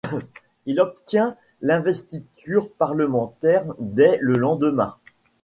Il obtient l'investiture parlementaire dès le lendemain.